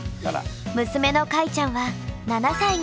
娘のかいちゃんは７歳になりました。